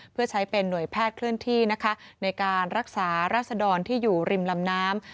เพื่อใช้เป็นหน่วยแพทย์เคลื่อนที่นะคะในการรักษารัศดรที่อยู่ริมลำน้ำ